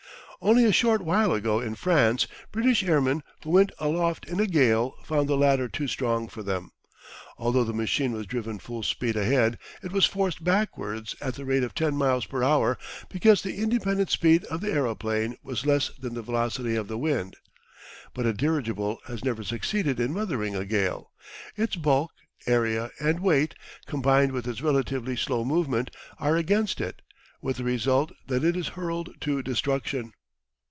Only a short while ago in France, British airmen who went aloft in a gale found the latter too strong for them. Although the machine was driven full speed ahead it was forced backwards at the rate of 10 miles per hour because the independent speed of the aeroplane was less than the velocity of the wind. But a dirigible has never succeeded in weathering a gale; its bulk, area, and weight, combined with its relatively slow movement, are against it, with the result that it is hurled to destruction.